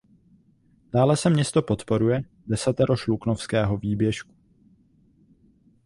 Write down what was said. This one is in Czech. Dále se město podporuje Desatero Šluknovského výběžku.